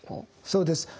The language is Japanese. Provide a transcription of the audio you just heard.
そうです。